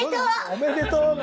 おめでとう！